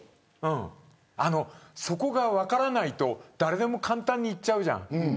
そこが分からないと誰でも簡単にいっちゃうじゃん。